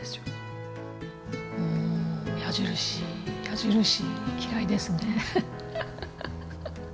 うん矢印矢印嫌いですね。